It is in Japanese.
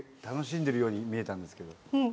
楽しんでるように見えたんですけど。